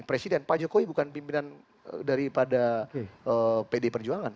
presiden pak jokowi bukan pimpinan daripada pd perjuangan